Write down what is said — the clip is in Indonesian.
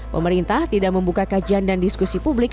pemerintah tidak membuka kajian dan diskusi publik